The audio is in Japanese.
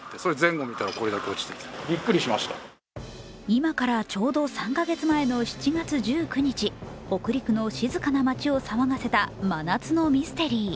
今からちょうど３か月前の７月１９日、北陸の静かな町を騒がせた真夏のミステリー。